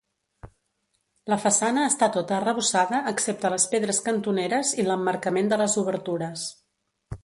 La façana està tota arrebossada excepte les pedres cantoneres i l'emmarcament de les obertures.